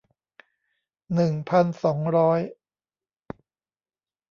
หนึ่งพันสองร้อย